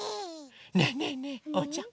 ねえねえねえおうちゃん。